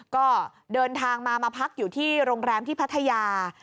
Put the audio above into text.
ก็เดินทางมามาพักอยู่ที่โรงแรมที่พัทยา